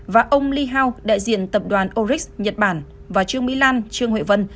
và ông lee hao đại diện tập đoàn orix nhật bản và trương mỹ lan trương huệ vân